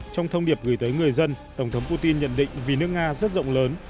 trong thông điệp gửi tới người dân tổng thống putin nhận định vì nước nga rất rộng lớn